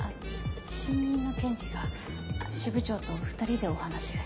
新任の検事が支部長と２人でお話がしたいって。